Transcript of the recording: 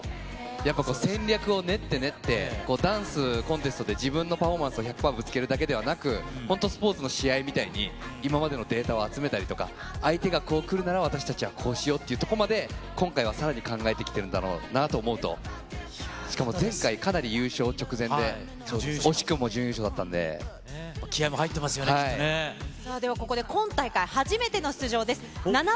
やっぱ戦略を練って練って、ダンスコンテストで自分のパフォーマンスを１００％ぶつけるだけではなく、本当、スポーツの試合みたいに、今までのデータを集めたりとか、相手がこう来るなら、、きてるんだろうなと思うと、しかも前回、かなり優勝直前で、気合いも入ってますよね、さあではここで今大会、初めての出場です。